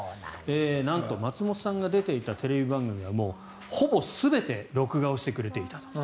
なんと松本さんが出ていたテレビ番組はほぼ全て録画をしてくれていたと。